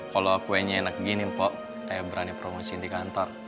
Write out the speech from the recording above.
kalau kuenya enak gini mpok kayak berani promosiin di kantor